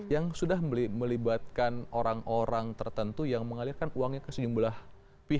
yang sudah melibatkan orang orang tertentu yang mengalirkan uangnya ke sejumlah pihak